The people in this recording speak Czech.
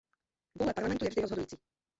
Vůle Parlamentu je vždy rozhodující.